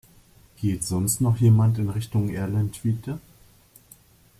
Geht sonst noch jemand in Richtung Erlentwiete?